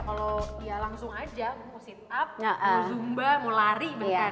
kalau ya langsung aja mau sit up mau zumba mau lari bahkan